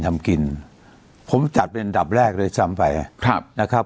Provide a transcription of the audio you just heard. ทำกินผมจัดเป็นอันดับแรกเลยซ้ำไปครับนะครับ